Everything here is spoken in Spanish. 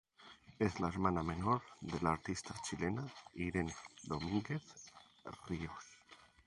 Es la hermana menor de la artista chilena Irene Domínguez Ríos.